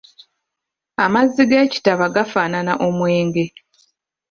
Amazzi g’ekitaba gafaanana omwenge.